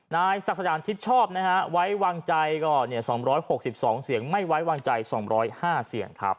นายศักดาลทิศชอบนะฮะไว้วางใจก็เนี่ยสองร้อยหกสิบสองเสียงไม่ไว้วางใจสองร้อยห้าเสียงครับ